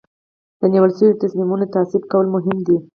د نیول شوو تصمیمونو تعقیب کول مهم دي.